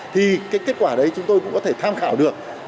thì cái kết quả đấy chúng tôi cũng có thể tham khảo được